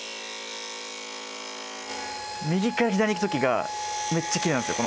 右から左にいく時がめっちゃきれいなんですよ。